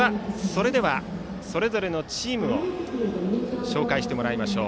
それぞれのチームを紹介してもらいましょう。